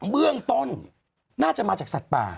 เบื้องต้นน่าจะมาจากสัตว์ป่า